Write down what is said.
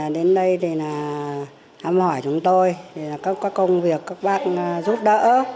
đến đây thì hâm hỏi chúng tôi các công việc các bác giúp đỡ